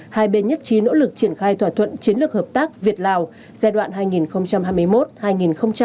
hai bên nhất trí nỗ lực triển khai thỏa thuận chiến lược hợp tác việt lào giai đoạn hai nghìn hai mươi một hai nghìn hai mươi năm